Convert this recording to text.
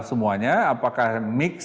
semuanya apakah mix